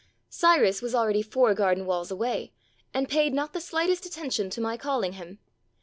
Cvrus was already four garden walls away, and paid not the slightest attention to my calling him.